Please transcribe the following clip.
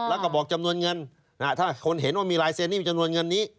แล้วก็บอกจำนวนเงินถ้าคนเห็นว่ามีลายเซ็นนี่จำนวนเงินนี้